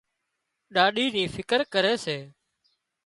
ڏاڏِي نِي فڪر ڪري سي